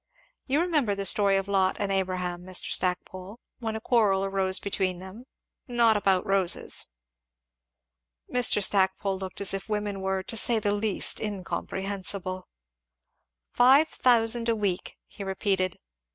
"You remember the story of Lot and Abraham, Mr. Stackpole, when a quarrel arose between them? not about roses." Mr. Stackpole looked as if women were to say the least incomprehensible. "Five thousand a week!" he repeated.